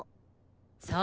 そう。